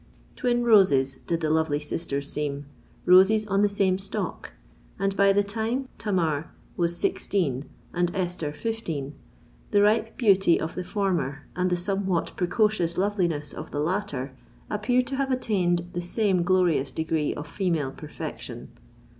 Twin roses did the lovely sisters seem,—roses on the same stalk; and by the time Tamar was sixteen and Esther fifteen, the ripe beauty of the former and the somewhat precocious loveliness of the latter, appeared to have attained the same glorious degree of female perfection.